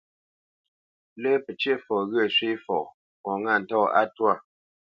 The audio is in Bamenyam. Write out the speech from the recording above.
Lə́ pəcə̂ʼfɔ ghyə̂ shwé fɔ, fɔ ŋâ ntɔ̂ á twâ.